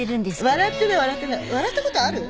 笑ったことある？